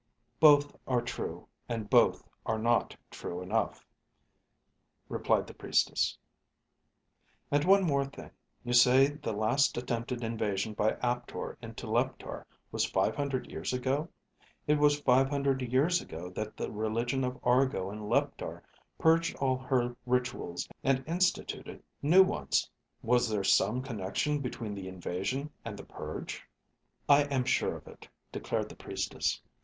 "Both are true, and both are not true enough," replied the priestess. "And one more thing. You say the last attempted invasion by Aptor into Leptar was five hundred years ago? It was five hundred years ago that the religion of Argo in Leptar purged all her rituals and instituted new ones. Was there some connection between the invasion and the purge?" "I am sure of it," declared the priestess.